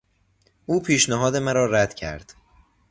او پیشنهاد مرا رد کرد.